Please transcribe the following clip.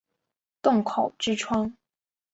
洞口之窗